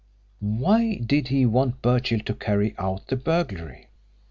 Why did he want Birchill to carry out the burglary?